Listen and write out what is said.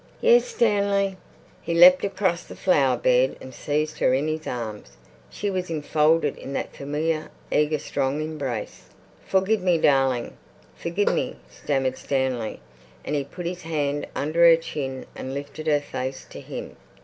"Yes, Stanley." He leapt across the flower bed and seized her in his arms. She was enfolded in that familiar, eager, strong embrace. "Forgive me, darling, forgive me," stammered Stanley, and he put his hand under her chin and lifted her face to him.